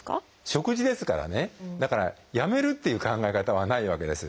食事ですからねだからやめるっていう考え方はないわけです。